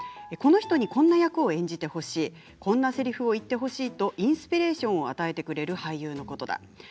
この人にこんな役を演じてほしいこんなせりふを言ってほしいとインスピレーションを与えてくれる俳優のことだ。